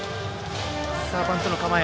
バントの構え。